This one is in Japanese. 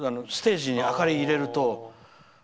ステージに明かりを入れると。